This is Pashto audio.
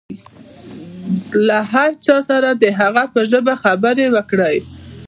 له هر چا سره د هغه په خپله ژبه خبرې وکړئ.